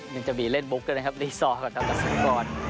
มันจะมีเล่นบลุ๊คถึงนะครับบรีซอร์ก่อนก่อน